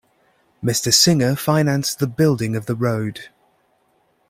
Mr Singer financed the building of the road.